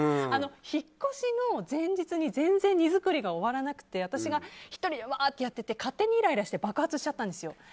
引っ越しの前日に全然、荷造りが終わらなくて私が１人でやってて勝手にイライラして爆発しちゃったんですよ。